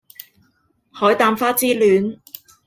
海膽花之戀